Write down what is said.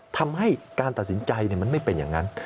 ทำให้การตัดสินใจมันไม่เป็นอย่างนั้น